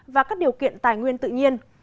và các điều kiện tài nguyên tự nhiên